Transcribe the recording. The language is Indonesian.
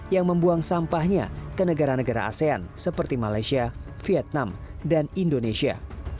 yang membuang sampahnya ke negara negara asean seperti malaysia vietnam dan indonesia